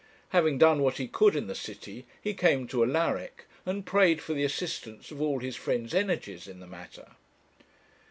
Having done what he could in the city, he came to Alaric, and prayed for the assistance of all his friend's energies in the matter.